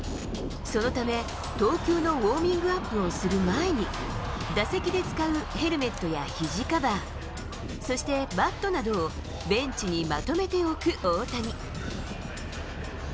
そのため、投球のウォーミングアップをする前に、打席で使うヘルメットやひじカバー、そしてバットなどをベンチにまとめておく大谷。